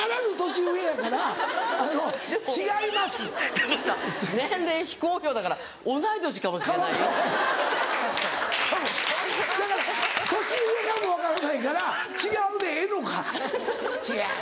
せやから年上かも分からないから「違う」でええのか「違う」。